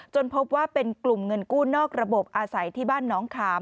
พบว่าเป็นกลุ่มเงินกู้นอกระบบอาศัยที่บ้านน้องขาม